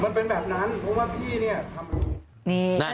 มันเป็นแบบนั้นเพราะว่าพี่เนี่ยทำรู้